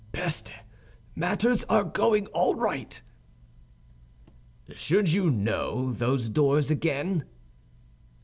"Peste! Matters are going all right." "Should you know those doors again?"